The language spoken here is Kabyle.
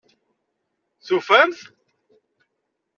Tufam-t?